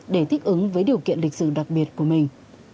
để thích ứng với điều kiện lịch sử đặc biệt của mình